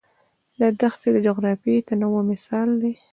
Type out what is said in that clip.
دا دښتې د جغرافیوي تنوع مثال دی.